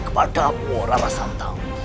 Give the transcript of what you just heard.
kepada mu orang rasantau